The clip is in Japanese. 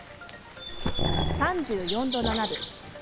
３４．７分。